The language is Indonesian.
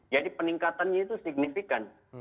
jadi peningkatannya itu signifikan